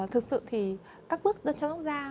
thực sự thì các bước dân châu úc da